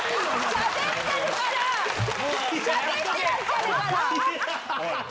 しゃべってらっしゃるから。